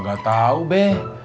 gak tau be